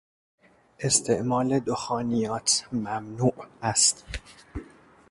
استعمال دخانیات ممنوع است.